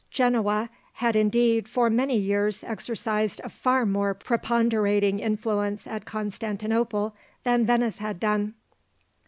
Genoa had, indeed, for many years exercised a far more preponderating influence at Constantinople than Venice had done.